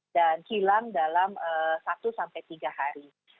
dan hilang dalam satu tiga hari